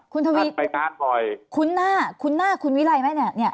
คุณทวีรู้จักไปนานบ่อย